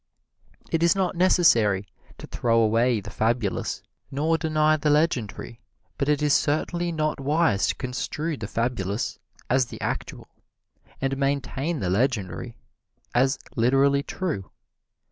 It is not necessary to throw away the fabulous nor deny the legendary. But it is certainly not wise to construe the fabulous as the actual and maintain the legendary as literally true.